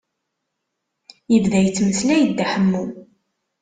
Yebda yettmeslay Dda Ḥemmu.